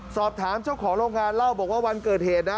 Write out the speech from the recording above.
สอบถามเจ้าของโรงงานเล่าบอกว่าวันเกิดเหตุนะ